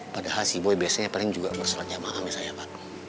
padahal si boy biasanya paling juga bersolat jamaah misalnya pak